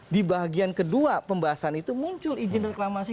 di bagian kedua pembahasan itu muncul izin reklamasi